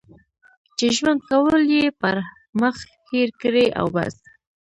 چې ژوند کول یې پر مخ هېر کړي او بس.